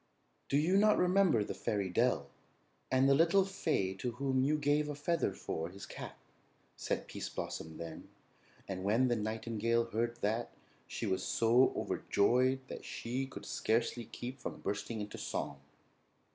"Do you not remember the fairy dell and the little fay to whom you gave a feather for his cap?" said Pease Blossom then; and when the nightingale heard that, she was so overjoyed that she could scarcely keep from bursting into song.